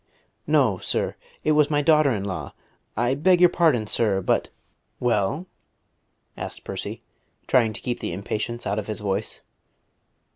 "No, sir; it was my daughter in law I beg your pardon, sir, but " "Well?" asked Percy, trying to keep the impatience out of his voice.